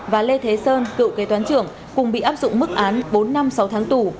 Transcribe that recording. và lê thế sơn cựu kế toán trưởng cùng bị áp dụng mức án bốn năm sáu tháng tù